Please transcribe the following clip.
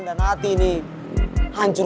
dan hati nih hancur